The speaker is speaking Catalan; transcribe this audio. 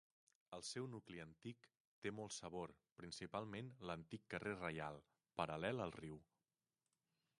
El seu nucli antic té molt sabor, principalment l'antic carrer Reial, paral·lel al riu.